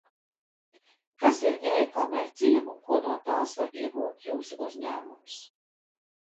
Kas ir e-komercija un ko no tās var iegūt Jūsu uzņēmums?